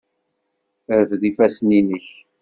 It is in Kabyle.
Rfed ifassen-nnek!